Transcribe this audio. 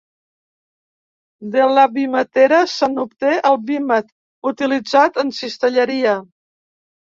De la vimetera se n'obté el vímet, utilitzat en cistelleria.